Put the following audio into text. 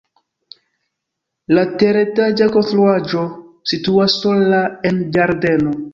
La teretaĝa konstruaĵo situas sola en ĝardeno.